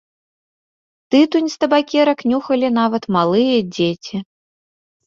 Тытунь з табакерак нюхалі нават малыя дзеці.